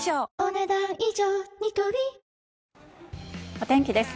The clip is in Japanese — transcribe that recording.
お天気です。